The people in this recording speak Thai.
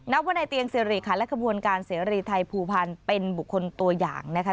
นับวนในเตียงเสริฐรีย์ค่ะและขบวนการเสริฐรีย์ไทยภูพารเป็นบุคคลตัวอย่างนะคะ